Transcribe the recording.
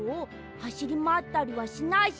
はしりまわったりはしないし。